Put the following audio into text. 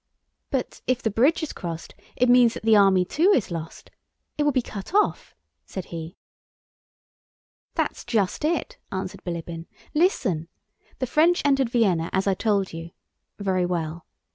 "But if the bridge is crossed it means that the army too is lost? It will be cut off," said he. "That's just it," answered Bilíbin. "Listen! The French entered Vienna as I told you. Very well.